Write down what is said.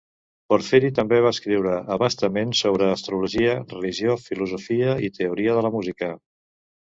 Porfiri també va escriure a bastament sobre astrologia, religió, filosofia i teoria de la música.